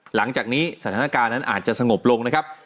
หลังจากนี้สถานการณ์นั้นอาจจะสงบลงนะครับ